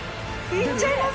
いっちゃいます。